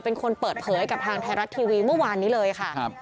เป็นคนเปิดเผยกับทางไทยรัฐทีวีเมื่อวานนี้เลยค่ะ